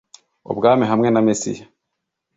ubwami hamwe na Mesiya